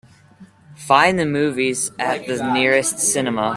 Find the movies at the nearest cinema.